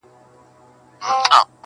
بیا خِلوت دی او بیا زه یم بیا ماښام دی-